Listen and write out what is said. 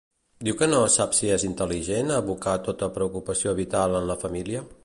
Diu que no sap si és intel·ligent abocar tota preocupació vital en la família?